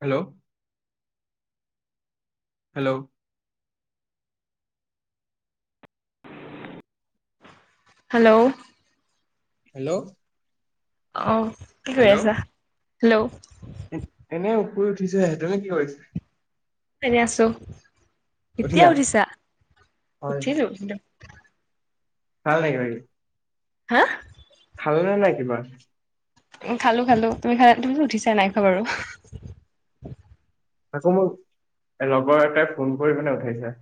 Hello hello hello hello অ, কি কৰি আছা? হেল্ল' এনেই শুই উঠিছোহে, তুমি কি কৰিছা? এনে আছো, এতিয়া উঠিলা উঠিছা হয় উঠিলো কিন্তু [unintelligible] হা খালানে নাই কিবা। খালো খালো, তুমি খালা তুমি উঠিছা নাই খোৱা বাৰু। আকৌ মোক লগৰ এটাই ফোন কৰি মানে উঠাইছে।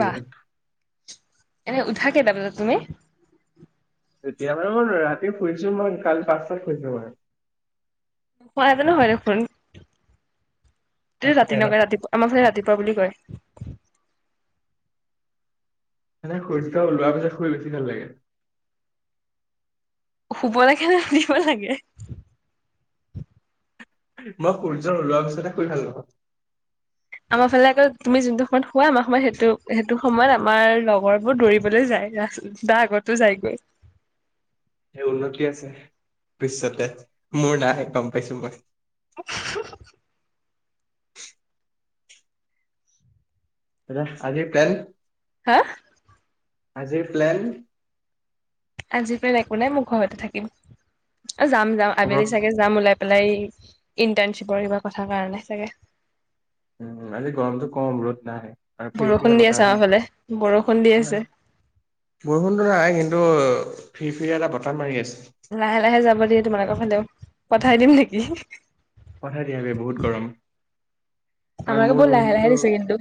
বাহ [unintelligible] এনে উঠা কেইটা বজাত তুমি? তেতিয়া বাৰু মোৰ, ৰাতি শুইছো মই কালি পাঁচটাত শুইছো মানে। নুশুৱাহেতেঁনো হয় দেখোন। তে তাকে ৰাতি ন নকয় ৰাতিপুৱা আমাৰ ফালে ৰাতিপুৱা বুলি কয়। মানে সূৰ্য ওলোৱা পিছত শুই বেছি ভাল লাগে। শুব লাগে নে দিব লাগে। মই সূৰ্য ওলোৱা পিছতে শুই ভাল পাওঁ। আমাৰ ফালে আকৌ তুমি যোনটো সময়ত শুৱাই আমাৰ সময়ত সেইটো সেইটো সময়ত আমাৰ লগৰ বোৰ দৌৰিবলৈ যায়। তাৰ আগতো যাইগৈ। তে উন্নতি আছে ভৱিশ্যতে, মোৰ নাই গম পাইছো মই। [inaudible] [unintelligible] হা আজিৰ প্লেন। আজি প্লেন একো নাই মোৰ ঘৰতে থাকিম। অ' যাম যাম আবেলি চাগে যাম ওলাই। ওলাই ইণ্টাৰ্ণশ্বিপৰ কিবা কথা কাৰণে চাগে। উম আজি গৰমটো কম ৰ'দ নাই আৰু বৰষুণ ফিৰফিৰীয়া দি আছে বতাহো আমাৰ ফালে বৰষুণ দি নাই। আছে হয়, বৰষুণটো নাই কিন্তু ফিৰফিৰিয়া এটা বতাহ মাৰি আছে। লাহে লাহে যাব দিয়া তোমালোকৰ ফালেও, পঠাই দিম নেকি? পঠাই দিয়া বহুত গৰম। আৰু আমাৰকো মোৰ বহুত লাহে লাহে ৰুমটোতো, দিছে কিন্তু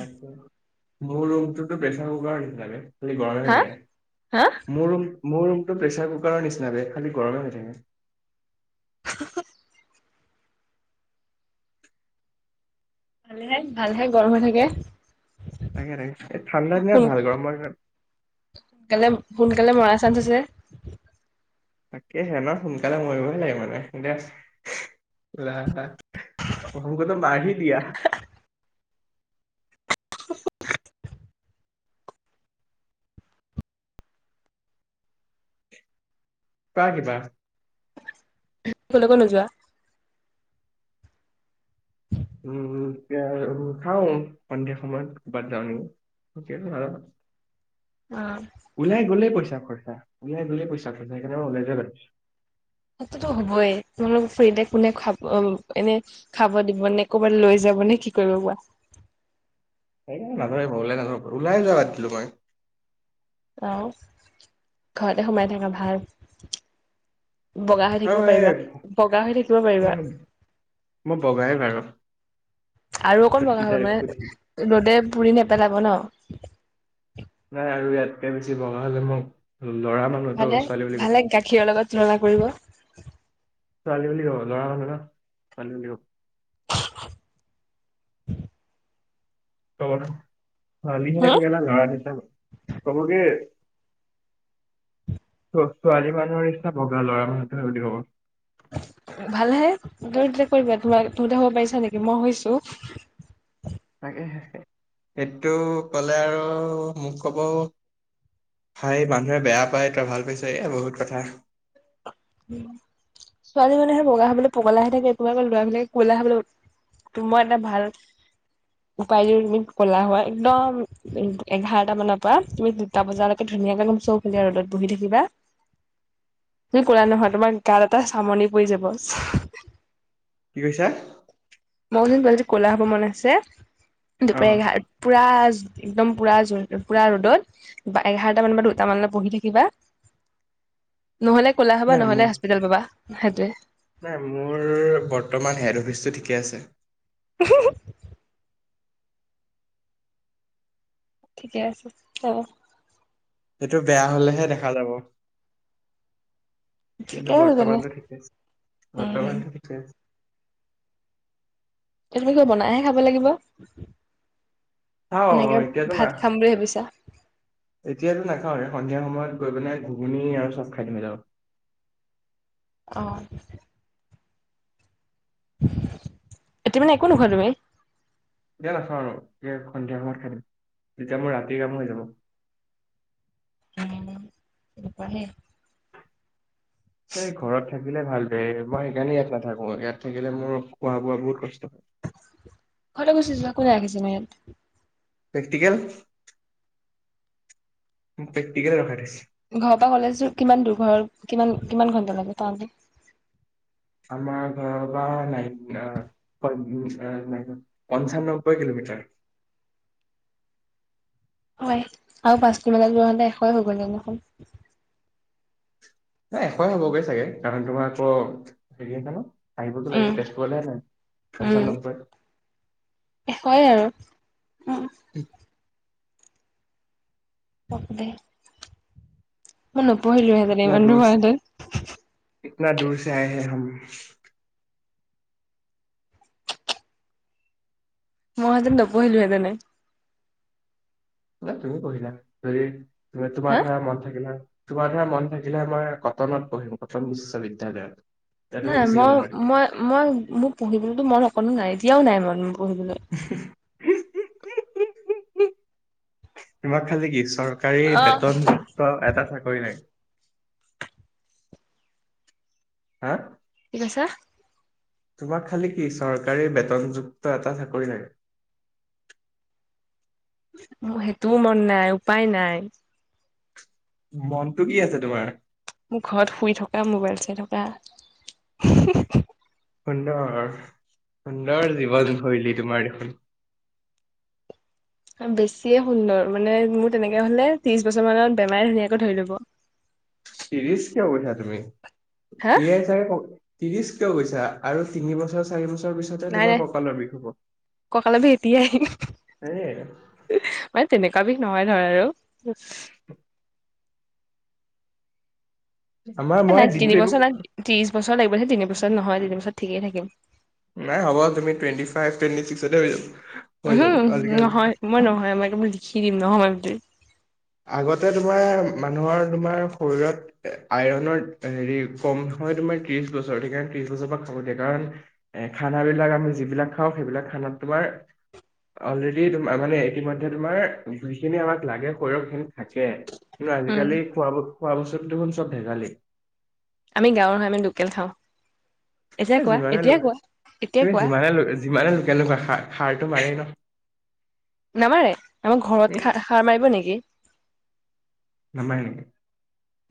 তাকে মোৰ ৰুমটোতো প্ৰেচাৰ কুকাৰৰ নিচিনাকে খালি গৰমে হৈ হা হা থাকে। মোৰ ৰুম মোৰ ৰুমটো প্ৰেচাৰ কুকাৰৰ নিচিনাকে খালি গৰমে হৈ থাকে। [inaudible] ভালেহে ভালহে গৰম হৈ থাকে। তাকে তাকে এই ঠাণ্ডা দিনত ভাল, সোনকালে গৰমৰ দিনত [unintelligible] তাকেহে ইমান সোনকালে মৰিবই লাগে মানে দে ওলা আ। অ, হামকতো মাৰহি দিয়া। পাগিবা কলে ক নো যোৱা উম খাও সন্ধিয়া সময়ত কৰবাত যাওঁ অ ওলাই গ'লেই পইচা গলে পইচা সেইকাৰণে ওলাই য বাৰু সতো হ'বই তোমালোক ফুৰিলেতে কোনে খাব এনে খাব দিব নে ক'বাত লৈ যাব ে কি কৰিব কোৱা ন মই ওলাই নায ওলাই য বাদ দিলো মই আহ ঘৰতে সোমাই থকাা ভাল বগা হৈ আৰু থাকিব এই পাৰিবা বগা হৈ থাকিব পাৰিবা আৰু আৰু অকণ বগা হব মানে ৰ'দে পুৰি নেপেলাব ন নাই আৰু ইয়াতকে বেছি বগা হলে মোক লৰা মানুহটো ভালে ছোৱালী বুলি কব ভালে গাখীৰৰ লগত তুলনা কৰিব ছোৱালী বুলি কব লৰা ছোৱালী বুলি কব [unintelligible] কবালিহ গা নৰা দিছা কব কি ত ছোৱালী মানুহৰ ইচ্ছা বগা লৰা মানুহটোহে বুলি কব [unintelligible] ভালহে তই তেতিয়া কৰিবা তোম তুমতে হ'ব পাৰিছা নেকি মই হৈছো তাকেে এইটো কলে আৰু মোক কব হাই মানুহে বেয়া পায় তই ভাল পাইছ এ বহুত কথা উম ছোৱালী মানুহে বগা হাবলৈ পগাল আহ থে তোমাৰকল ল'ৰাবিলাকে কোৱলা আহাবলৈ তোমাৰ এটা ভাল উপাইোৰ তুমি কলা হয় একদম এঘাৰটা মানৰ পৰা তুমি দুটা বজালৈকে ধৰি ধুনীয়াকে লম চৌফালে ৰ'দত বহি থাকিবা [unintelligible] ত ক নহয় তোমাৰ গাত এটা চামনি পৰি যাব কি কৈছা গ ক'লা হ'ব মন আছে দুপাৰী অ এঘাৰ পুৰা একদম পুৰা জ পুৰা ৰ'দত বা এঘাৰটা মান বা দুটামানলৈ পহি থাকিবা [unintelligible] নহলে ক'লা হবা নাই নহ'লে মোৰ হস্পিতেেল পাবা সেইটোৱে নাই মোৰ বৰ্তমান হেড অফিচটো ঠিকে আছে [unintelligible] ঠিকে আছে হব সটো বেয়া হলেহে দেখা যাব ঠিকে কিন্তু আছে তেনে বৰ্তমানৰ ঠিকে উম বৰ্তমান ঠিকে এই তুমি কৰ বনাইহে খাব লাগিব খাওঁ এনেকে এতিয়াতো না ভাত খাম বুলি ভাবিছা এতিয়াতো নাখাওঁ সন্ধিয়া সময়ত গৈ পাই ঘুগুণী আৰু চব খাই দিমেইিল [unintelligible] অঁ এতিয়া মানে একো নোখোৱা তুমি দিয়া নাচা আৰু এ সন্ধিয়া সময়ত খাইম তেতিয়া মোৰ ৰাতিৰ কাম হৈ যাব উ পঢ়ে এই ঘৰত থাকিলে ভাল দেৰে মই সেইকাৰণে ইয়াত নাথাকো ইয়াত থাকিলে মোৰ খোৱা বোৱা বহুত কষ্ট হয়। ঘৰত গুচিছো কোনে ৰাখিছে ময়াত প্ৰেক্টিকেল পেটিকৰে ৰখা দোইছছে ঘৰৰ পৰা কলেজোৰ কিমান দূৰ ঘৰৰ কিমান কিমান ঘন্টা লাগে পাওঁতে। আমাৰ ঘৰৰ পৰা নাইন পঞ্চানবৈ কিলোমিটাৰ। [inaudible] হয় আৰু পাঁচ কিলোমিটাৰ হতে এশয়ে হৈ গ'ল হেঁতেন দেখোন। ন এশয়ে হ'বগৈ চাগে কাৰণ তোমাৰত হেৰি আছে ন। আহিবতো লাগিব উম তেজপুৰলৈহে নাই পঞ্চা নবৈ। হয় আৰু উম, পতকে। মই নপঢ়িলোহেতেন ইমান, কিতনা দূৰছে আয়া হে হাম, মইতো নপঢ়িলোহেঁতেনে। ন তুমি পঢ়িলা হেতেন যদি হা তোমাৰ মন থাকিলে হ'লে। তোমাৰ ধৰা মন থাকিলে মই কটনত পঢ়িম কটন বিশ্ববিদয়ালয়ত। নাই মই মই মই মোক পঢ়িবলৈতো মন অকণো নাই এতিয়াও নাই মন। বহু দিল। ইমাক খালি কি চৰকাৰী বেতনযুক্ত এটা চাকৰি নাই। হা? কছা। তোমাক খালি কি চৰকাৰী বেতনযুক্ত এটা চাকৰি নাই। সেইটোও মন নাই উপায় নাই। মনটো কি আছে তোমাৰ। মোৰ ঘৰত শুই থকা মোবাইল চাই থকা। সুন্দৰ সুন্দৰ জীৱনশৈলী তোমাৰ দেখোন। বেছিয়ে সুন্দৰ মানে মোৰ তেনেকে হলে ত্ৰিশ বছৰ মানত বেমাৰে ধুনীয়াকে ধৰি লব। তিৰিছ কিয় উঠা তুমি হা তিয়াছাগে? ত্ৰিশ ক পইছা আৰু তিনিবছৰ চাৰি বছৰ। পিছতে নাই তোমাৰ নাই ককালৰ বিষ হব কঁকালৰ বিষ এতিয়াই হে। মানে তেনেকুৱা বিষ নহয় ধৰ আৰু। [unintelligible] আমাৰ মই নাই তিন দিনটো একো বছৰ নাই ত্ৰিশ বছৰ লাগিব সেই তিন বছ নহয় তিন বছৰত ঠিকেই থাকিম। নাই হ'বুি টুৱেটি ফাইভ টুৱেণ্টি ছিক্স হৈ যাব। হৈ যাব হম আজিকালি নহয় মই নহয় আমাক বুলিোল লিখি দিম নহয়ই বো। আগতে তোমাৰ মানুহৰ তোমাৰ শৰীৰত আইৰনৰ হেৰি কম। হয় তোমাৰ ত্ৰিশ বছৰ সেইকাৰণে ত্ৰিশ বছৰ পৰা খাব দিয়া কাৰণ এ খানা বিলাক আমি যিবিলাক খাওঁ সেইবিলাক। মাৰ অলৰেড মানে ইতিমধে তোমাৰ যিখিনি আমাক লাগে। শ হেন থাকে কিন্তু উম আজিকালি খোৱা ব খোৱা বস্তুটো হে চব ভেজালী। আমি গাঁৱৰ হয় মানে লোকেল খাওঁ, এতিয়া এ কোৱা যিমানে লো এতিয়াই কোৱা এতিয়া তুমি কোৱা যিমানে, যিমানে লোকেল নোখোৱা সাৰটো মাৰেই ন'। নামাৰে আমাৰ তুমি ঘৰত সা-সাৰ মাৰিব নেকি? নামাৰে নেকি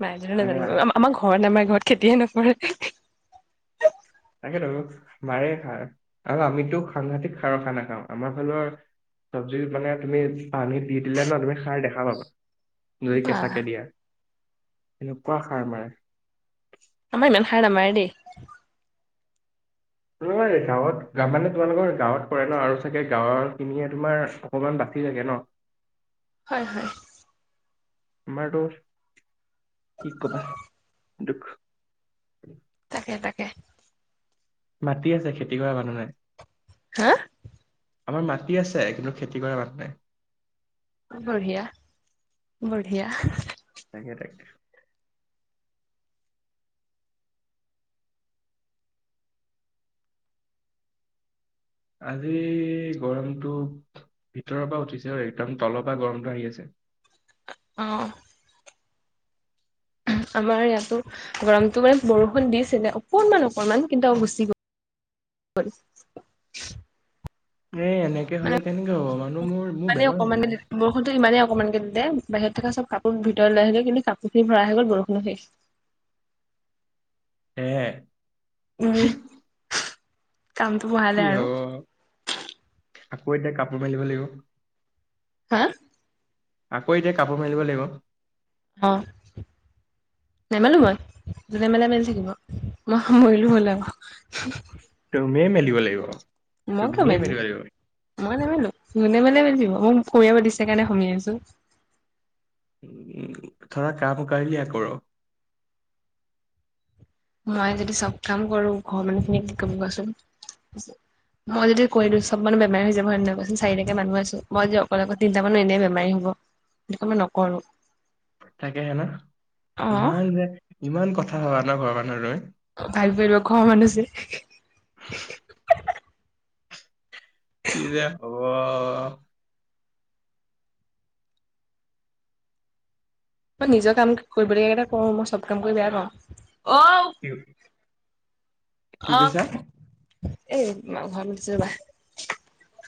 মইতো মানে নাজানো আমাৰ ঘৰ নামাৰ ঘৰত খেতিয়ে নপৰে। তাকেতো মাৰে খাৰ আৰু আমিতো সাংঘাতিক সাৰৰ খানা খাওঁ আমাৰ ফালৰ চবজি মানে তুমি পানী দি দিলে ন' তুমি খাৰ দেখা পাবা। যদি বাহ কেঁচাকে দিয়া এনেকুৱা সাৰ মাৰে। আমাৰ ইমান সাৰ নামেৰে দেই। ত গাঁৱত মানে তোমালোকৰ গাঁৱত কৰে ন' আৰু চাগে গাঁৱৰ খিনিয়ে তোমাৰ অকণমান [unintelligible] থাকে ন'। হয়-হয়। তোমাৰ তোৰ কি কবা দুখ। তাকে তাকে। মাটি আছে। খেতি কৰা মানুহ নাই। হা আমাৰ মাটি আছে কিন্তু খেতি কৰা মানু নাই বঢ়িয়া বঢ়িয়া তাকে তাকে আজি গৰমটো ভিতৰৰ পৰা উঠিছে আৰু একদম তলৰ পৰা গৰমটো আহি আছে। অ' আমাৰ ইয়াতো গৰমটো মানে বৰষুণ দিছিলে অকণমান অকণমান কিন্তু গুচি গ' [inaudible] এ এনেকে হলে মানে কেনেকে হ'ব মানুহ বৰ মোৰ মোৰ ইমানে বেমাৰ হ'ব অকনমানকে বৰষুণতো ইমানে অকমানকে দিছে বাহিৰত থকা চব কাপোৰ ভিতৰ লৈ আহিল কিন্তু কাপোৰখিনি ভৰা আহি গ'ল বৰষুণ শেষ হে এ উম কামটো কি বহালে আৰু হ'ব আকৌ এতিয়া কাপোৰ পিন্ধিব লাগিব হা আকৌ এতিয়া কাপোৰ মেলিব লাগিব অহ নেমেলো মই যোনে মেলে মেলি থাকিব মই সামৰিলো হ'ল আৰু [inaudible] অহ তুমি এই মেলিব লাগিব তুমি এই মেলিব লাগিব উ থৰা কাম কৰলিয়া কৰো মই যদি চব কাম কৰো ঘৰৰ মানুহ খিনি কি কব কোৱাচোন মই যদি কৈলো চব মানে বেমাৰ হৈ যাবনেক কৈচ চাৰিটাকে মানুহ আছো মই যদি অকল লগ তিনি মানৰ এনে বেমাৰ হব মে নকৰো থাকে হে ন অ ইমান যে ইমান কথা হবা ন ঘৰ মানু্হ ৰৈ ভাবিব লাগিব ঘৰৰ মানুহ যে কি যে হ'ব মই নিজৰ কাম কৰিবলগা কেইটা কৰো মই চব কাম কৰি বেয়া পাওঁ অ' কি হ'ল কি অ কৈছা এই মা ঘৰত মাতিছে ৰবা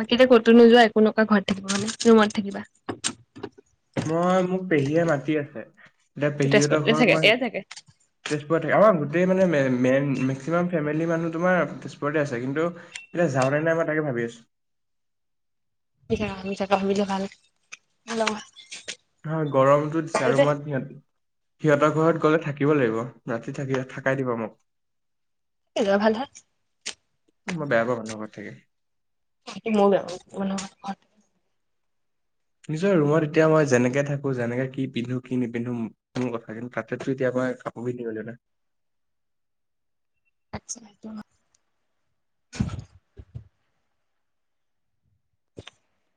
বাকী এতিয়া ক'তো নোযোৱা একো নোকোৱা ঘৰত থাকিব মানে ৰুমত থাকিবা মই মোক পেহীয়ে মাতি আছে এতিয়া পেহীহঁতৰ তেজপুৰতে ঘৰত থাকে মই ইয়াত থাকে তেজপুৰ থাকে গোটেই মানে মে- মে মেক্সিমাম ফেমিলি মানুহ তোমাৰ তেজপুৰতে আছে কিন্তু এতিয়া যাওঁ নে নাই মই তাকে ভাবি তেজপুৰত থাকে থিক ভাবি থাকা ভাবি থাকা হেল্লৌ হা গৰমতো জাৰু মাত সিহঁতে সিহঁতৰ ঘৰত গ'লে থাকিব লাগিব ৰাতি থাকি থাকাই দিবা মোক এ ল'ৰা ভাল হে মই বেয়া পাওঁ মানহৰ ঘৰত থাকি ময়ো বেয়া পাওঁ মানুহৰ ঘৰত নিজৰ ৰুমত এতিয়া মই যেনেকে থাকো যেনেকে কি পিন্ধো কি নিপিন্ধো মোৰ কথা কিন্তু তাতেতো এতিয়া বাই কাপোৰ পিন্ধিব লাগিব ন আছা আ [inaudible]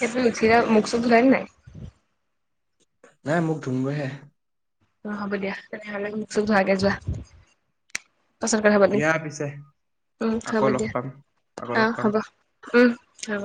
সব উঠিলা মুখ চুখ ধুলানে নাই নাই মোক ধুগৈহে অ হ'ব দিয়া তেনেহলে মোক চোক ধুৱাগে যোৱা। পাচত কথা পাতিম, দিয়া পিছে উম হব আকৌ লগ দিয়া পাম। আকৌ লগ পাম। হ'ব দিয়া অ হ'ব। হব।